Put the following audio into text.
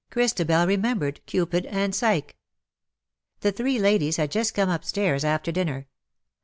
Christabel remembered ^' Cupid and Psyche/^ The three ladies had just come upstairs after dinner.